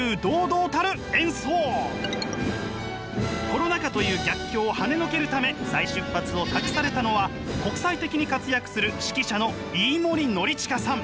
コロナ禍という逆境をはねのけるため再出発を託されたのは国際的に活躍する指揮者の飯森範親さん。